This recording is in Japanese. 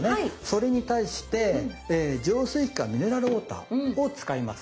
それに対して浄水器かミネラルウォーターを使います。